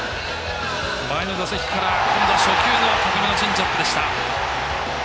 前の打席から今度は初球の高めのチェンジアップでした。